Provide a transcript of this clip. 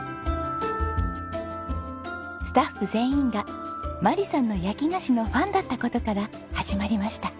スタッフ全員が眞理さんの焼き菓子のファンだった事から始まりました。